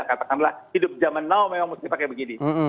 katakanlah hidup zaman now memang mesti pakai begini